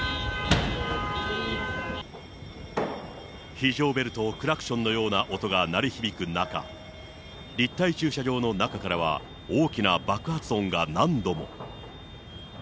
非常ベルとクラクションのような音が鳴り響く中、立体駐車場の中からは大きな爆発音が何度も。